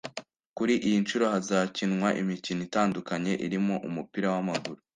Kuri iyi nshuro hazakinwa imikino itandukanye irimo umupira w’amaguru